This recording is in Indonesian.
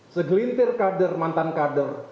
segelintir kader mantan kader